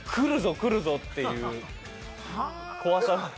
来るぞっていう怖さが。